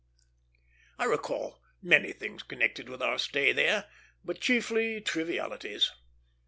I recall many things connected with our stay there, but chiefly trivialities.